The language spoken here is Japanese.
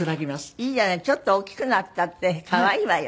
いいじゃないちょっとおっきくなったって可愛いわよ。